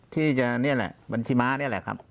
ที่จะนี่แหละบัญชีม้านี่แหละครับ